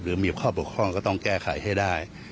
หรือมีข้อบกพร่องก็ต้องแก้ไขให้ได้